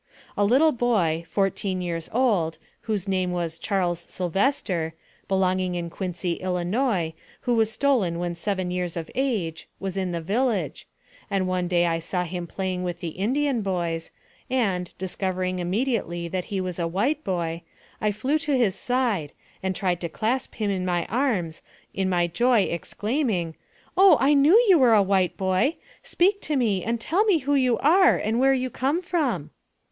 A little boy, fourteen years old, whose name was Charles Sylvester, belonging in Quincy, Illinois, who was stolen when seven years of age, was in the village, and one day I saw him playing with the Indian boys, and, discovering immediately that he was a white boy, I flew to his side, and tried to clasp him in my arms, in my joy exclaiming, "Oh ! I know you are a white boy ! Speak to me, and tell me who you are and where you come from